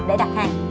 để đặt hàng